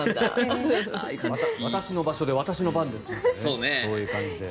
私の場所で私の番ですみたいなそういう感じで。